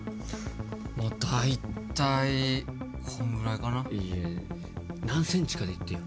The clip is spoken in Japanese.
まあ大体こんぐらいかないやいや何センチかで言ってよ